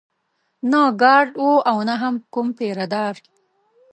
نه ګارډ و او نه هم کوم پيره دار.